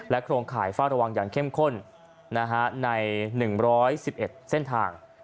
โครงข่ายเฝ้าระวังอย่างเข้มข้นใน๑๑๑เส้นทาง